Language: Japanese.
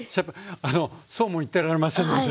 あのそうも言ってられませんので。